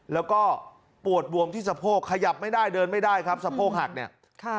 แล้วก็ปวดบวมที่สะโพกขยับไม่ได้เดินไม่ได้ครับสะโพกหักเนี่ยค่ะ